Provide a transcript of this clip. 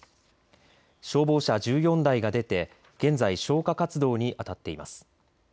消防車１４台が出て現在、消火活動にあたっています。